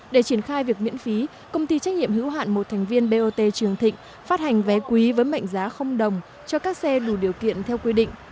để triển khai việc miễn phí công ty trách nhiệm hữu hạn một thành viên bot trường thịnh phát hành vé quý với mệnh giá đồng cho các xe đủ điều kiện theo quy định